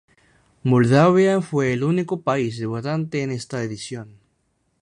Moldavia fue el único país debutante en esta edición.